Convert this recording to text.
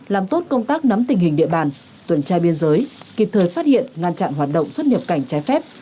làm tốt công tác nắm tình hình địa bàn tuần trai biên giới kịp thời phát hiện ngăn chặn hoạt động xuất nhập cảnh trái phép